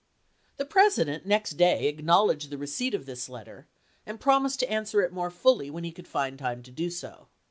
The President next day acknowledged the receipt of this letter, and promised to answer it more fully when he could find time to do so.